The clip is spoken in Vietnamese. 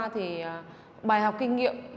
thì bài học kinh nghiệm